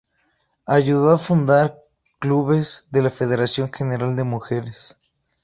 Ayudó a fundar clubes de la Federación General de mujeres.